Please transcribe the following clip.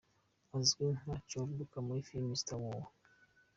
Azwi nka Chewbacca muri filime ‘Star wars’.